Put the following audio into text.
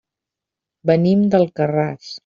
Venim d'Alcarràs.